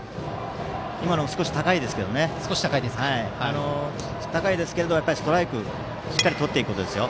今のは少し高いですけどストライクをしっかりとっていくことですね。